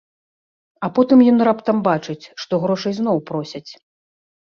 А потым ён раптам бачыць, што грошай зноў просяць.